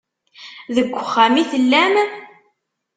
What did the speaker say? Deg uxxam i tellam?